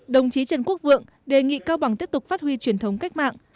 đồng chí trần quốc vượng đề nghị cao bằng tiếp tục phát huy truyền thống cách mạng